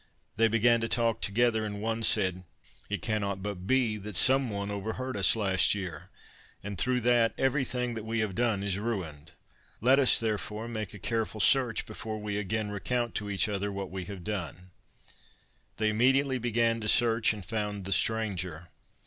They began to talk together, and one said: 'It cannot but be, that some one overheard us [Pg 97] last year, and through that everything that we have done is ruined. Let us, therefore, make a careful search before we again recount to each other what we have done.' They immediately began to search, and found the stranger.